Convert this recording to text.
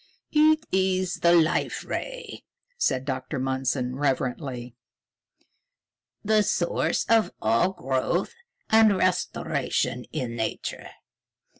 "It is the Life Ray!" said Dr. Mundson reverently. "The source of all growth and restoration in Nature.